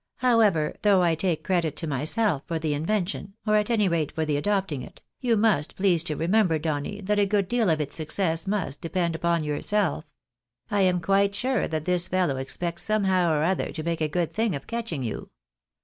However, though I take credit to myself for the invention, or at any rate for the adopting it, you must please to remember, Donny, that a good deal of its success must depend upon yourself. I am quite sure that this fellow expects somehow or other to make a good thing of catching you.